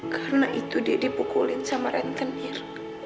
karena itu dia dipukulin sama rentenir